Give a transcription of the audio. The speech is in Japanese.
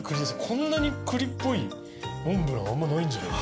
こんなに栗っぽいモンブランあんまない。